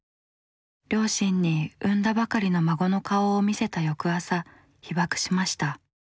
両親に産んだばかりの孫の顔を見せた翌朝被爆しました。